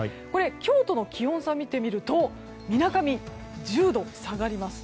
今日との気温差を見てみるとみなかみでは１０度下がります。